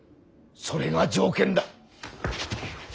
それが条件だ。